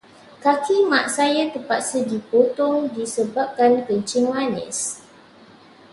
Kaki Mak saya terpaksa dipotong disebabkan kencing manis.